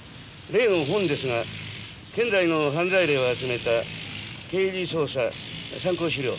例の本ですが現在の犯罪例を集めた「刑事捜査参考資料」。